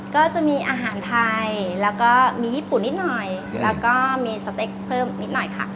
ก็จะมีอาหารไทยแล้วก็มีญี่ปุ่นนิดหน่อยแล้วก็มีสเต็กเพิ่มนิดหน่อยค่ะ